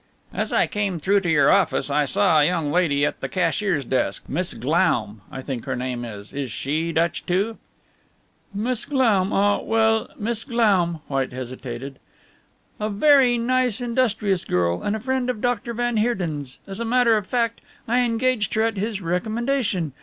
"As I came through to your office I saw a young lady at the cashier's desk Miss Glaum, I think her name is. Is she Dutch, too?" "Miss Glaum ah well Miss Glaum." White hesitated. "A very nice, industrious girl, and a friend of Doctor van Heerden's. As a matter of fact, I engaged her at his recommendation.